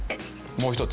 もう一つ。